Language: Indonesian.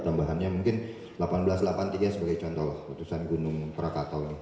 tambahannya mungkin seribu delapan ratus delapan puluh tiga sebagai contoh letusan gunung krakatau ini